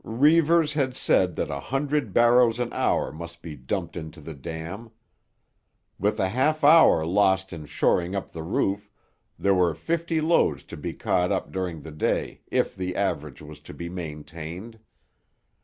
Reivers had said that a hundred barrows an hour must be dumped into the dam. With a half hour lost in shoring up the roof, there were fifty loads to be caught up during the day if the average was to be maintained.